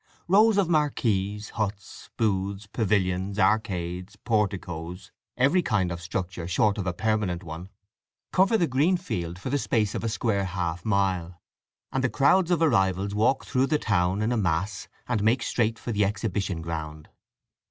Rows of marquees, huts, booths, pavilions, arcades, porticoes—every kind of structure short of a permanent one—cover the green field for the space of a square half mile, and the crowds of arrivals walk through the town in a mass, and make straight for the exhibition ground.